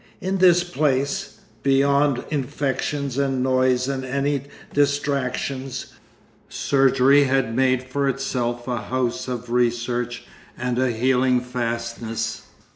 In this place, beyond infections and noise and any distractions, surgery had made for itself a house of research and a healing fastness.